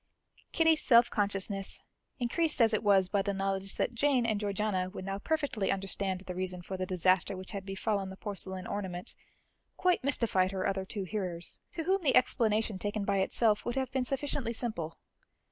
Kitty's self consciousness, increased as it was by the knowledge that Jane and Georgiana would now perfectly understand the reason for the disaster which had befallen the porcelain ornament, quite mystified her other two hearers, to whom the explanation taken by itself would have been sufficiently simple.